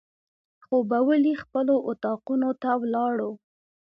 خوبولي خپلو اطاقونو ته ولاړو.